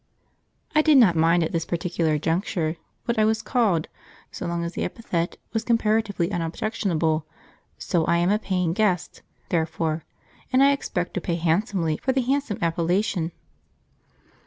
jpg} I did not mind at this particular juncture what I was called, so long as the epithet was comparatively unobjectionable, so I am a paying guest, therefore, and I expect to pay handsomely for the handsome appellation.